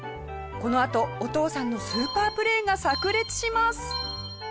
このあとお父さんのスーパープレーが炸裂します。